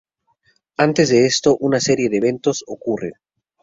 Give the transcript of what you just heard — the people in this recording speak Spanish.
Antes de esto una serie de eventos ocurren.